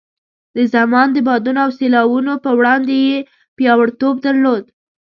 د زمان د بادونو او سیلاوونو په وړاندې یې پیاوړتوب درلود.